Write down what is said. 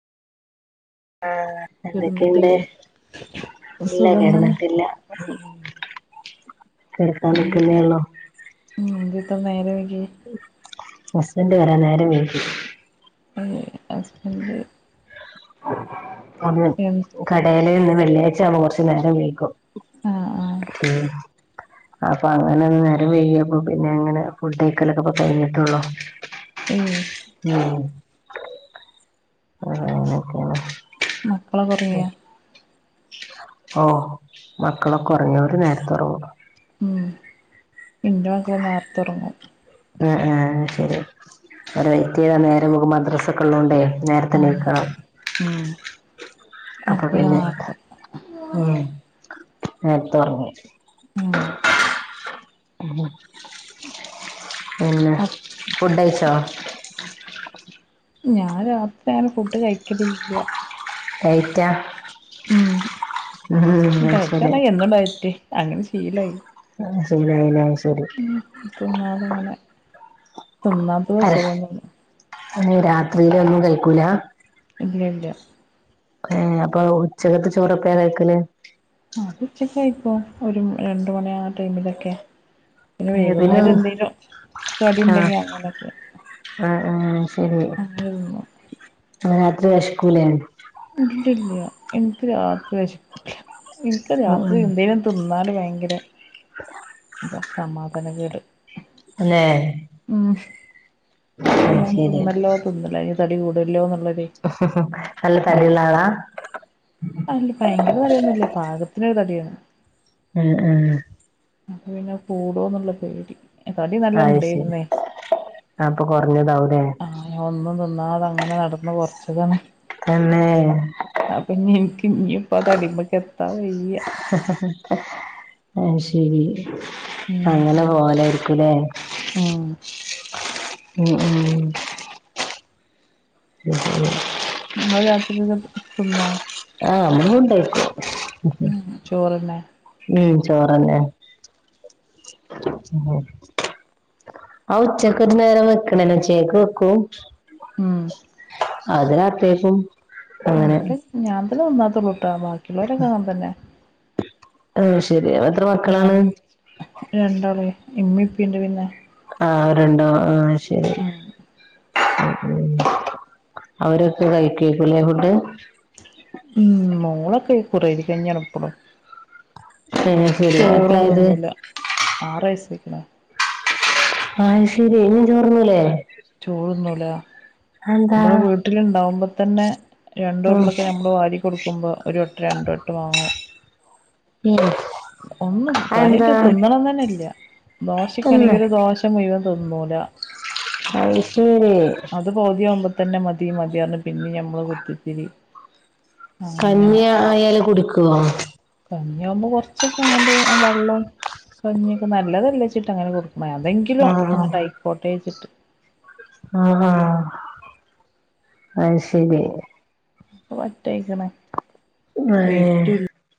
ആഹ കിടന്നിട്ടേ എന്തൊക്കെയുണ്ട് ഇല്ല സുഖം തന്നെ കിടന്നിട്ടില്ല. ഉം കെടക്കാൻ ന്നിക്ക്ന്നെഒള്ളു. ഉ എന്ത ഇത്ര നേരം വൈകെ ഹസ്ബന്ഡ് വരാൻ നേരം വൈകി. ഏഹ് ഹസ്ബെന്റ് കബോ കടേല് ഇന്ന് വെള്ളിയാഴ്ചആണ് കുറച്ച്നേരം വൈകും. ആഹ് ആഹ് ഉം അപ്പൊ അങ്ങനെ ഇന്ന് നേരം വൈകിയപ്പൊ പിന്നെ ഞങ്ങള് ഫുഡേയ്ക്കലൊക്കെ ഇപ്പൊ തൊടങ്ങിട്ടൊള്ളു. എ യൊ ആ അങ്ങനെയൊക്കെയാണ്. മക്കളൊക്കെ ഒറവിയാ. ഓ മക്കളൊക്കെ ഒറങ്ങി അവര് ന്നേര്ത്തൊറങ്ങും. ഉം ഇന്റെ മക്കളും നേർ ത്തൊറങ്ങും. അ ആ ശരി അവര് വെയ്റ്റിയ്ത നേരംവെളുക്കുമ്പോ മദ്രസ- ഇക്കള്ളോണ്ടെ നേർത്തെ ആഹ് നീക്കണം. ഉം അപ്പൊ പിന്നെ ഉം നേര്ത്തൊറങ്ങും. ഉം ഉ പിന്നെ ഫുഡയ്ച്ചോ? ഞാൻ രാത്രി അങ്ങനെ ഫുഡ് കഴിക്കലില്ല. ഡയ്റ്റാ ഉം ശരി ഡയറ്റാന്നാ എന്നും ഡയ്റ്റ് അങ്ങനെ ഷീലായി. ആശീലായിലെ അയ് ശരി. തിന്നാണ്ട്ങ്ങനെ തിന്നാ- അരാ ഏ രാത്രിലൊന്നും കയ്ക്കൂല. ഇല്ല ല്ല ഏ അപ്പൊ ഉച്ചകത്തെ ചോറെപ്പഴാ കൈക്കല്. അത് ഉച്ചക്ക് കഴിക്കും ഒരു മണി രണ്ട് മണി ആകാ - ടൈമിലൊക്കെ പിന്നെ വൈകുന്നേരം എന്തേലും കടി ഇണ്ടെങ്കി അങ്ങനെക്കെ. അ ആ ശരി തിന്നും അ രാത്രി വെഷ്ക്കൂലേ. ഇല്ല്യല്ല്യ ഇൻക്ക് രാത്രി വെശക്കൂലാ ഇൻക്ക് ഉം രാത്രി ഉം എന്തേയ്ലൊന്ന് തിന്നാല് ഭയങ്കരെ അഹ് സമാദാനക്കേട് തന്നേ ഉം അഹ് ഇന്ന് ഞാൻ ശരി തിന്നല്ലോ തിന്നലോ ഇനി തടി കൂടൊല്ലോ ന്ന്ള്ള നല്ല തടിള്ള ആളാ അങ്ങനെ ഭയങ്കര തടിയൊന്നും ഇല്ല പാകത്തിനൊര് തടിയേണ് ഉം ഉം അപ്പ പിന്നെ അഹ് കൂടോന്ന്ള്ള പേടി. തടി നല്ല അഹ് ശരി ഇണ്ടേരുന്നേ അഹ് പ്പൊ കൊറഞ്ഞതാവും ല്ലേ. ഞാ ഒന്നും തിന്നാതെ അങ്ങനെ നടന്ന് കൊറച്ചതാണ്. തന്നെ അപ്പൊ ഇഞ് ഇൻക്ക് ഇനി ഇപ്പൊ ആ തടിമ്മെക്ക്‌ എത്താൻ വെയ്യ അയ് ശരി ഉം അങ്ങനെ പോവലേര്ക്കും ല്ലേ ഉം ഉം ഉം ഉം ഇങ്ങള് രാത്രി ന്നട്ട് തിന്നാ ആഹ് നമ്മള് ഫുഡ്ഡ് കയിക്കും ഉം ഹും ചോറെന്നെ ഉം ചോറെന്നെ ഉം ഉം അഹ് ഉച്ചക്കൊരു നേരം വെക്ക്‌ണന്നേണ് ഉച്ചക്കെക്ക്‌ വെക്കും ഉം അതെന്നെ അത്യാവശ്യം ആഹ് ഇവിടെ, ഞാൻ തന്നെ തിന്നാത്തൊള്ളൂട്ടോ ബാക്കി ഇള്ളോരൊക്കെ അങ്ങൻതന്നെ. അയ് ശെരി അഹ് രാവിലെ രണ്ടാള്. ഇമ്മി ഇപ്പിണ്ട് പിന്നെ. ആഹ് അവര്ണ്ടോ ആഹ് ശെരി ഉം ഉം ഉം അവരൊക്കെ കഴിക്കേയ്ക്കുല്ലേ ഫുഡ് ഉം മോളൊക്കെ ഈ കുറൈരി കഞ്ഞിയാണ് ഇപ്പളും ഏ അയ് ശെരി എത്രെ ചോറൊന്നും ആയത് തിന്നൂല ആറ് വയസ്സ് അയ്ക്ക്‌ണ് അയ് ശെരി ഇഞ്ഞും ചോറ് തിന്നൂലേ ചോറ്ന്നൂലാ. ഇബള് വീട്ട്ല് ഇണ്ടാവുമ്പ തന്നെ ആഹ് രണ്ടുരുളൊക്കെ ഞമ്മള് വാരി കൊടുക്കുമ്പോ, ഒരുവട്ട്രം രണ്ട് വട്ടം വാങ്ങും ഉം ഒന്നും അതെന്താ കാര്യായിട്ട് തിന്നണംന്നെന്നെ ഇല്ല്യ തിന്ന് ദോശക്കാണെങ്കിൽ ഒരു ദോ ശ മുഴുവൻ തിന്നൂലാ. അഹ് ശെരി ഇത് പൗതി ആവുമ്പോ തന്നെ മതി മതി അർഞ്ഞ് പിന്നീം ഞമ്മള് കുത്തിത്തിരികി കഞ്ഞി ആ ആയാല് കുടിക്കോ കഞ്ഞിയാകുമ്പോ കൊർച്ചൊക്കെ ഇങ്ങണ്ട് ആ വള്ളം കഞ്ഞി ഒക്കെ നല്ലതല്ലേ ച്ചിട്ടാ അങ്ങനെ കൊട്ക്ക്‌ണഹ് അതെങ്കിലും അങ്ങട്ട് ആയ്ക്കോട്ടെ ച്ച്ട്ട്. ആണോ അയ് ശെരി ഇപ്പൊ പറ്റെ അയ്ക്ക്‌ണ് ഉം ഏഹ്